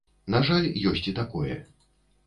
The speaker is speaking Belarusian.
На жаль, ёсць і такое.